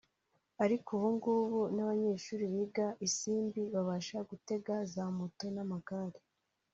ariko ubu ngubu n’abanyeshuri biga i Simbi babasha gutega za moto n’amagare